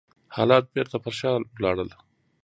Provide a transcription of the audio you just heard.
حالات بېرته پر شا لاړل.